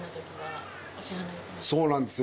そうなんですよ